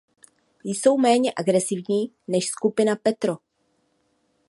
Jsou méně agresivní než skupina Petro.